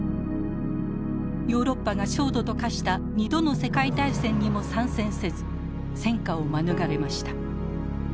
ヨーロッパが焦土と化した２度の世界大戦にも参戦せず戦火を免れました。